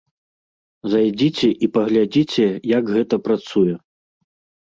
Зайдзіце і паглядзіце, як гэта працуе.